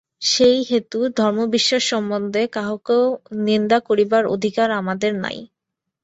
সেই হেতু ধর্মবিশ্বাস সম্বন্ধে কাহাকেও নিন্দা করিবার অধিকার আমাদের নাই।